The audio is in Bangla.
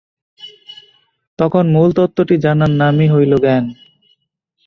তখন মূল তত্ত্বটি জানার নামই হইল জ্ঞান।